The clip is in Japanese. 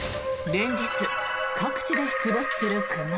連日、各地で出没する熊。